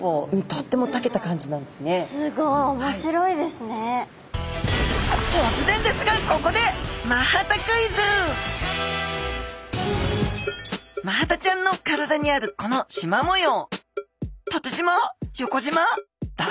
とつぜんですがここでマハタちゃんの体にあるこのしま模様